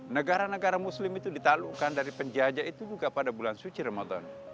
negara negara muslim itu ditaklukkan dari penjartjugan pada bulan suci ramadan